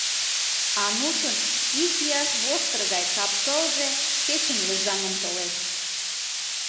Анушын икияш воштыр гай капкылже кечын лӧзаҥын толеш.